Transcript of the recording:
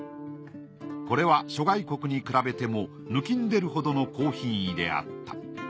これは諸外国に比べても抜きんでるほどの高品位であった。